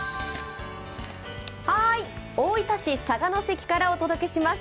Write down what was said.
はーい、大分市佐賀関からお届けします。